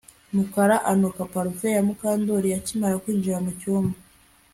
Mukara anuka parufe ya Mukandoli akimara kwinjira mucyumba